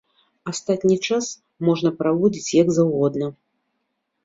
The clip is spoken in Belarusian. Астатні час можна праводзіць як заўгодна.